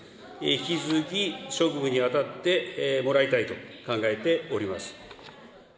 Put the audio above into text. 引き続き、職務に当たってもらいたいと考えております。